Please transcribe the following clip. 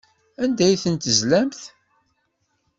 Anda ay ten-tezlamt?